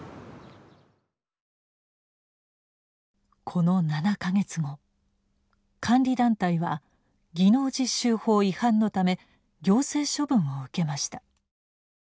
この７か月後監理団体は技能実習法違反のため行政処分を受けました。